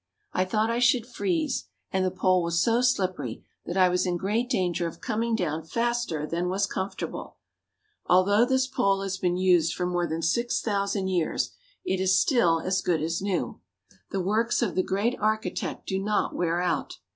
I thought I should freeze and the pole was so slippery that I was in great danger of coming down faster than was comfortable. Although this pole has been used for more than 6,000 years it is still as good as new. The works of the Great Architect do not wear out.